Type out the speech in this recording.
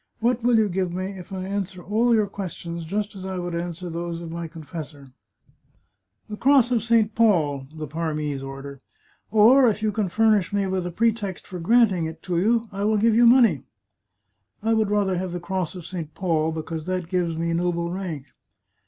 What will you give me if I answer all your questions just as I would answer those of my confessor ?"" The Cross of St. Paul " (the Parmese order), " or, if you can furnish me with a pretext for granting it to you, I will give you money." " I would rather have the Cross of St. Paul, because that gives me noble rank."